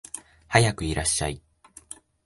はやくいらっしゃい